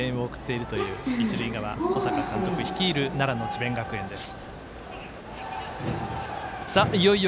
娘さんがアルプスから声援を送っているという一塁側小坂監督率いる奈良の智弁学園です。